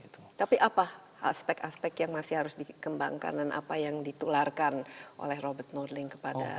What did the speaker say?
tapi apa aspek aspek yang masih harus dikembangkan dan apa yang ditularkan oleh robert norling kepada